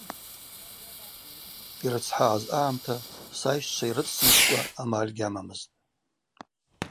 Йрыцхӏагӏаз агӏамта сайщчва йрыцсымкӏкӏва амаль гьамамызтӏ.